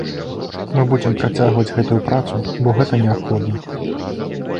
Мы будзем працягваць гэтую працу, бо гэта неабходна.